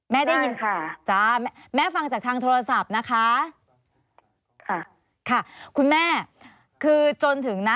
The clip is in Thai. ได้ยินค่ะจ้าแม่ฟังจากทางโทรศัพท์นะคะค่ะค่ะคุณแม่คือจนถึงนะ